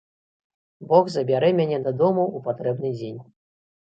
Бог забярэ мяне дадому ў патрэбны дзень.